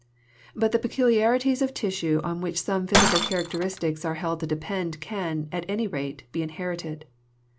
But the peculiarities of tissue on which some physical characteristics are held to depend can, at any rate, be inherited.